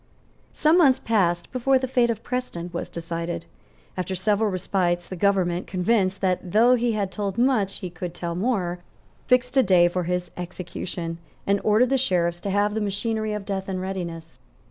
Some months passed before the fate of Preston was decided. After several respites, the government, convinced that, though he had told much, he could tell more, fixed a day for his execution, and ordered the sheriffs to have the machinery of death in readiness.